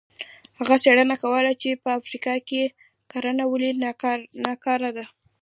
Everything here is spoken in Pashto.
هغه څېړنه کوله چې په افریقا کې کرنه ولې ناکاره ده.